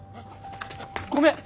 ごめん！